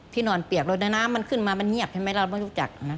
ที่นอนเปียกแล้วน้ำมันขึ้นมามันเงียบใช่ไหมเราไม่รู้จัก